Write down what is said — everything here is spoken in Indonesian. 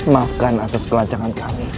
maafkan atas pelancangan kami